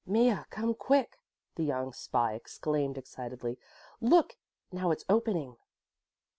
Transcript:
"Mea, come quick," the young spy exclaimed excitedly, "look! Now it's opening."